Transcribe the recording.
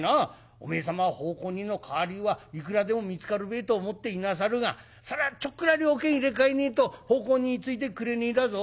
おめえ様は奉公人の代わりはいくらでも見つかるべえと思っていなさるがそりゃちょっくら了見入れ替えねえと奉公人ついてくれねえだぞ」。